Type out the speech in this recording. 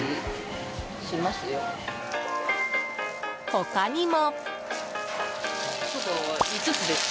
他にも。